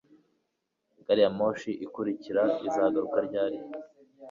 Gari ya moshi ikurikira izahaguruka ryari